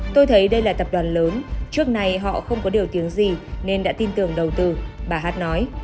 tôi thấy đây là tập đoàn lớn trước này họ không có điều tiếng gì nên đã tin tưởng đầu tư bà hát nói